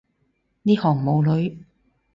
呢行冇女